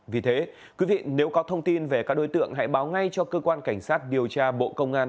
vì thế quý vị nếu có thông tin về các đối tượng hãy báo ngay cho cơ quan cảnh sát điều tra bộ công an